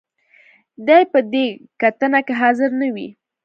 دې به په دې کتنه کې حاضر نه وي.